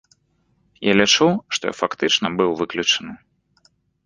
Я лічу, што я фактычна быў выключаны.